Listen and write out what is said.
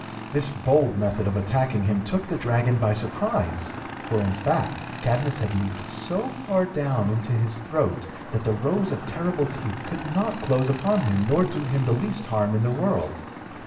This bold method of attacking him took the dragon by surprise; for, in fact, Cadmus had leaped so far down into his throat, that the rows of terrible teeth could not close upon him, nor do him the least harm in the world.